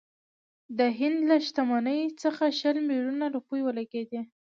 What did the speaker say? د هند له شتمنۍ څخه شل میلیونه روپۍ ولګېدې.